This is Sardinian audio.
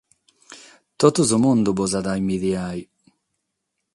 Totu su mundu bos at a inbidiare!